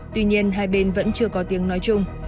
tuy nhiên hai bên vẫn chưa có tiếng nói chung